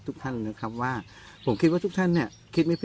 ทุกท่านนะครับว่าผมคิดว่าทุกท่านเนี่ยคิดไม่ผิด